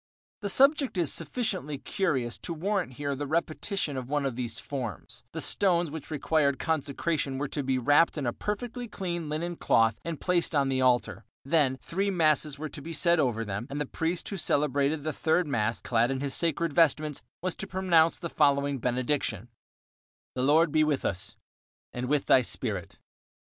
The subject is sufficiently curious to warrant here the repetition of one of these forms. The stones which required consecration were to be wrapped in a perfectly clean linen cloth and placed on the altar. Then three masses were to be said over them, and the priest who celebrated the third mass, clad in his sacred vestments, was to pronounce the following benediction: The Lord be with us. And with thy spirit.